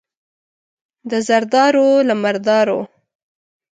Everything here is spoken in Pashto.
د زردارو، له مردارو.